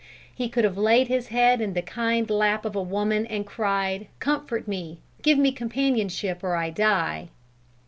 He could have laid his head in the kind lap of a woman and cried: "Comfort me! Give me companionship or I die!"